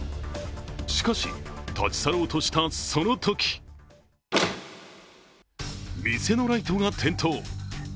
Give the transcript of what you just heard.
しかし、立ち去ろうとした、そのとき店のライトが点灯。